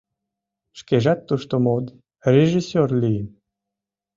Шкежат тушто модын, режиссёр лийын.